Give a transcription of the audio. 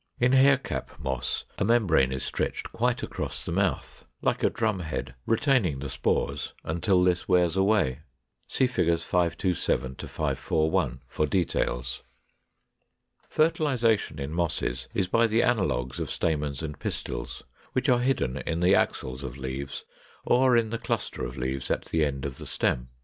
In Hair cap Moss a membrane is stretched quite across the mouth, like a drum head, retaining the spores until this wears away. See Figures 527 541 for details. 500. Fertilization in Mosses is by the analogues of stamens and pistils, which are hidden in the axils of leaves, or in the cluster of leaves at the end of the stem.